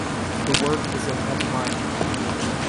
The work is in F minor.